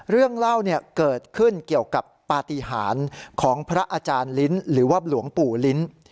เรื่องเล่าเกิดขึ้นเกี่ยวกับปฏิหารของพระอาจารย์ลิ้นหรือว่าหลวงปู่ลิ้น